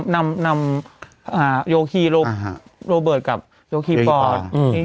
นำโยฮีโลเบิร์ตกับโยฮีปอร์ต